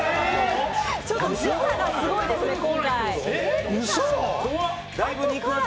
ちょっと時差がすごいですね、今回。